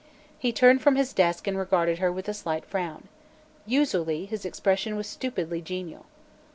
He turned from his desk and regarded her with a slight frown. Usually his expression was stupidly genial.